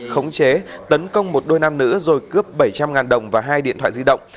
khống chế tấn công một đôi nam nữ rồi cướp bảy trăm linh đồng và hai điện thoại di động